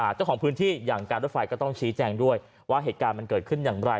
เจ้าของพื้นที่อย่างการรถไฟก็ต้องชี้แจงด้วยว่าเหตุการณ์มันเกิดขึ้นอย่างไร